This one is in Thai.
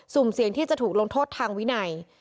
ุ่มเสี่ยงที่จะถูกลงโทษทางวินัย